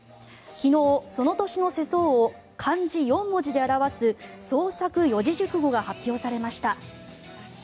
昨日、その年の世相を漢字４文字で表す創作四字熟語が発表されました。